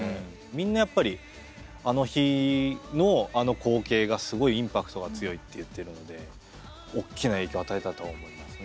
みんなやっぱりあの日のあの光景がすごいインパクトが強いって言ってるので大きな影響を与えたと思いますね。